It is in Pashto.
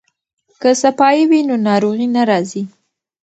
که صفايي وي نو ناروغي نه راځي.